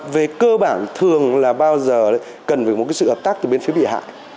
về cơ bản thường là bao giờ cần phải một sự hợp tác từ bên phía bị hại